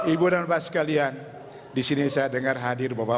ibu dan bapak sekalian disini saya dengar hadir bapak